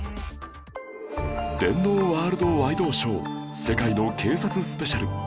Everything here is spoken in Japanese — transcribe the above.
『電脳ワールドワイ動ショー』世界の警察スペシャル